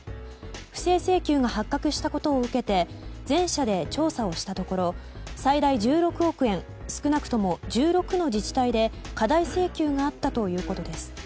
不正請求が発覚したことを受けて全社で調査をしたところ最大１６億円少なくとも１６の自治体で過大請求があったということです。